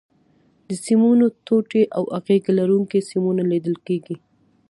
د سیمونو ټوټې او اغزي لرونکي سیمونه لیدل کېږي.